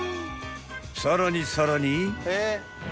［さらにさらに］